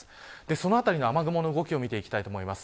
そのあたりの雨雲の動きを見ていきたいと思います。